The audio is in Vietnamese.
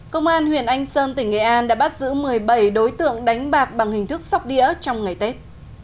công an huyện anh sơn tỉnh nghệ an đã bắt giữ một mươi bảy đối tượng đánh bạc bằng hình thức sóc đĩa trong ngày tết